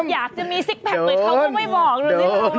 อยากจะมีซิกแพ็กตัวเขาก็ไม่บอกเลย